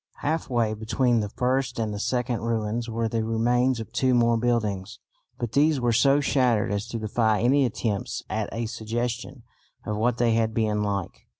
Half way between the first and the second ruins were the remains of two more buildings, but these were so shattered as to defy any attempts at a suggestion of what they had been like.